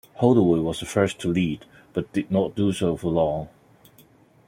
Holdaway was the first to lead, but did not do so for long.